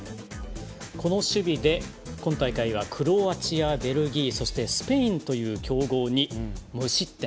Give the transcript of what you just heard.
この守備で今大会はクロアチア、ベルギーそしてスペインという強豪に無失点。